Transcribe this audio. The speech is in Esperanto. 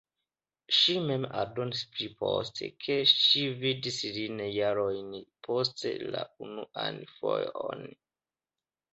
Ŝi mem aldonis pli poste, ke ŝi vidis lin jarojn poste la unuan fojon.